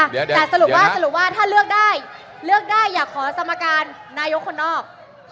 แต่สรุปว่าสรุปว่าถ้าเลือกได้เลือกได้อยากขอสมการนายกคนนอก